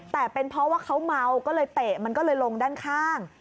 แต่เป็นเพราะว่าเขาเมาก็เลยเตะมันก็เลยลงด้านข้าง